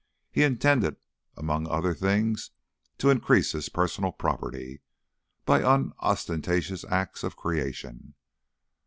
He intended among other things to increase his personal property by unostentatious acts of creation.